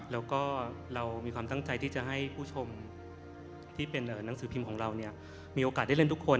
แล้วก็เรามีความตั้งใจที่จะให้ผู้ชมที่เป็นหนังสือพิมพ์ของเรามีโอกาสได้เล่นทุกคน